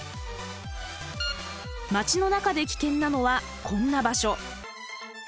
街の中で危険なのはこんな場所。